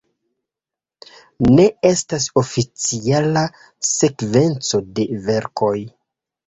Ne estas oficiala sekvenco de verkoj.